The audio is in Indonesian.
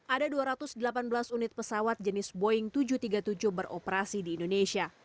ada dua ratus delapan belas unit pesawat jenis boeing tujuh ratus tiga puluh tujuh beroperasi di indonesia